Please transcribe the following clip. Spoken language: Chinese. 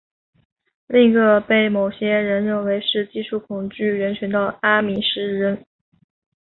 另一个被某些人认为是技术恐惧人群的是阿米什人。